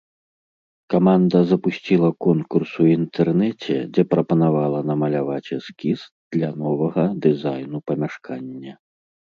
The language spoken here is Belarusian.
Каманда запусціла конкурс у інтэрнэце, дзе прапанавала намаляваць эскіз для новага дызайну памяшкання.